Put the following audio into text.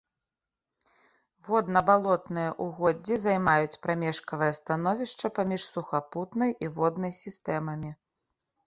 Водна-балотныя ўгоддзі займаюць прамежкавае становішча паміж сухапутнай і воднай сістэмамі.